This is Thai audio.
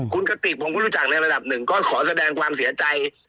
คุณกติกผมก็รู้จักในระดับหนึ่งก็ขอแสดงความเสียใจ